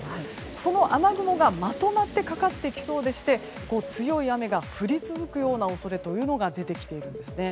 その雨雲がまとまってかかってきそうでして強い雨が降り続くような恐れが出ているんですね。